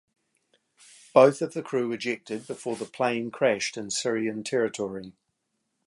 Both of the crew ejected before the plane crashed in Syrian territory.